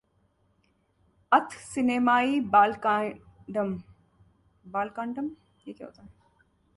अथ सिनेमाई बालकांडम